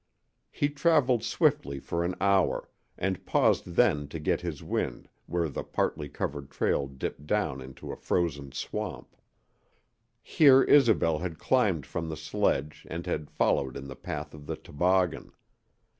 He traveled swiftly for an hour, and paused then to get his wind where the partly covered trail dipped down into a frozen swamp. Here Isobel had climbed from the sledge and had followed in the path of the toboggan.